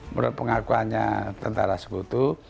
menurut pengakuannya tentara sekutu